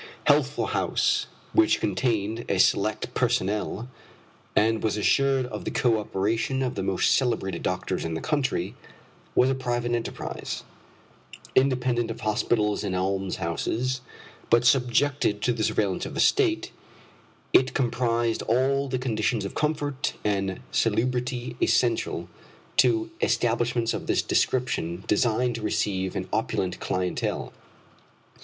Healthful House, which contained a select personnel, and was assured of the co operation of the most celebrated doctors in the country, was a private enterprise. Independent of hospitals and almshouses, but subjected to the surveillance of the State, it comprised all the conditions of comfort and salubrity essential to establishments of this description designed to receive an opulent clientele.